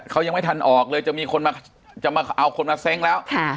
เขายังไม่ทันออกเลยจะมีคนมาจะมาเอาคนมาเซ้งแล้ว